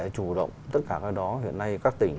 chủ động tất cả các đó hiện nay các tỉnh